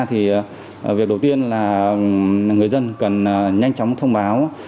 thì việc đầu tiên là người dân cần nhanh chóng thông báo